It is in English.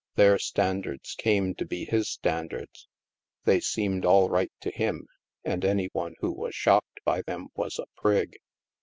Their standards came to be his standards. They seemed all right to him, and any one who was shocked by them was a prig.